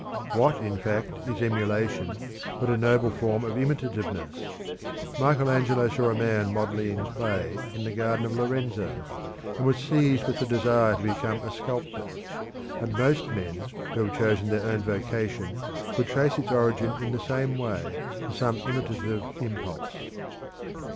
What, in fact, is emulation but a noble form of imitativeness? Michaelangelo saw a man modelling in clay in the garden of Lorenzo, and was seized with the desire to become a sculptor; and most men who have chosen their own vocation could trace its origin in the same way to some imitative impulse.